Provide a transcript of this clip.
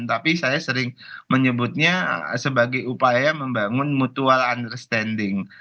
tapi saya sering menyebutnya sebagai upaya membangun mutual understanding